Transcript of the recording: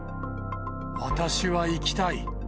私は生きたい。